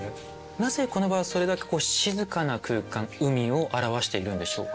なぜこの場はそれだけ静かな空間海を表しているんでしょうか？